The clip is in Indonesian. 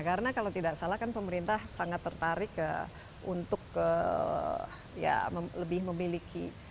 karena kalau tidak salah kan pemerintah sangat tertarik untuk lebih memiliki